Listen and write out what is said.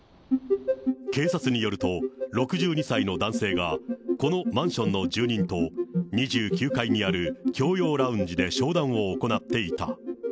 警察によると、６２歳の男性が、このマンションの住人と２９階にある共用ラウンジで商談を行っていた。